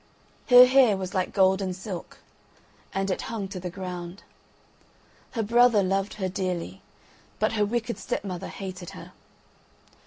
Her hair was like golden silk, and it hung to the ground. Her brother loved her dearly, but her wicked stepmother hated her.